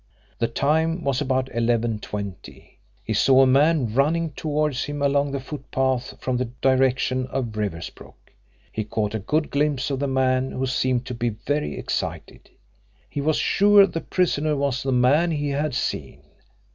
The time was about 11.20. He saw a man running towards him along the footpath from the direction of Riversbrook. He caught a good glimpse of the man, who seemed to be very excited. He was sure the prisoner was the man he had seen.